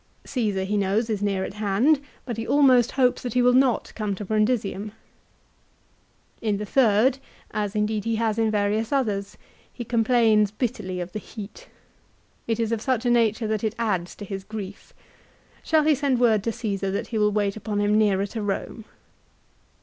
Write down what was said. Caesar he knows is near at hand, but he almost hopes that he will not come to Brundisium, In the third, as indeed he has in various others, he complains bitterly of the heat. It is of such a nature that it adds to his grief. Shall he send word to Caesar that he will wait upon him nearer to Rome